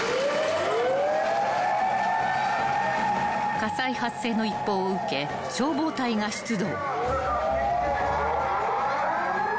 ［火災発生の一報を受け消防隊が出動］